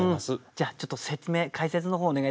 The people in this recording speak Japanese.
じゃあちょっと説明解説の方お願いできますか。